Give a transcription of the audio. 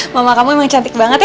mama kamu emang cantik banget ya